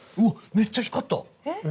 めっちゃ光った！